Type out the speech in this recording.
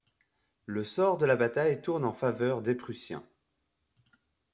Le sort de la bataille tourne en faveur des Prussiens.